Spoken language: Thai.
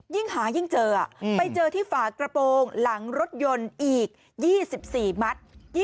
ยิ่งหายิ่งเจอไปเจอที่ฝากระโปรงหลังรถยนต์อีก๒๔มัตต์